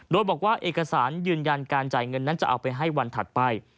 โดยบอกว่าเอกสารยืนยันการจ่ายเงินนั้นจะเอาไปให้วันถัดไป